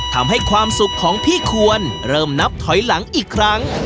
ทำให้ความสุขของพี่ควรเริ่มนับถอยหลังอีกครั้ง